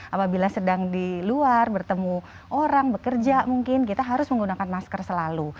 apabila sedang di luar bertemu orang bekerja mungkin kita harus menggunakan masker selalu